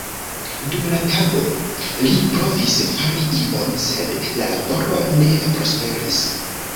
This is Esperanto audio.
Dum la tago li provis fari ion, sed la laboro ne prosperis.